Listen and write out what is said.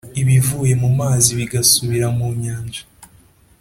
ibivuye mu mazi bigasubira mu nyanja.